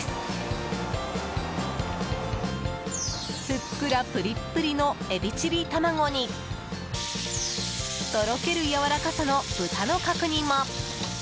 ふっくらプリップリのエビチリ玉子にとろけるやわらかさの豚の角煮も！